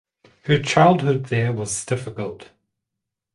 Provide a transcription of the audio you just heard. Her childhood there was difficult.